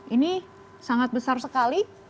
ini sangat besar sekali